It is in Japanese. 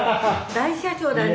大社長だね。